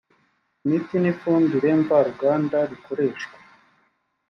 imiti n ifumbire mvaruganda bikoreshwa